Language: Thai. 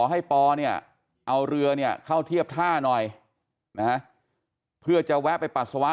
ให้ปอเนี่ยเอาเรือเนี่ยเข้าเทียบท่าหน่อยนะเพื่อจะแวะไปปัสสาวะ